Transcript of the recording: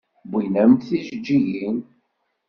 Wwin-am-d tijeǧǧigin.